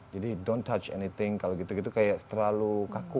jadi don't touch anything kalau gitu gitu kayak terlalu kaku